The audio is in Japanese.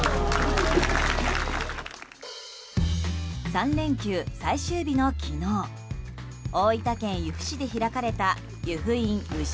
３連休最終日の昨日大分県由布市で開かれた由布院牛